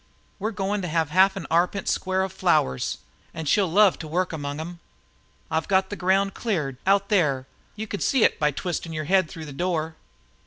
We're goin' to have half an arpent square of flowers, an' she'll love to work among 'em. I've got the ground cleared out there you kin see it by twisting your head through the door.